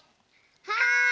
はい！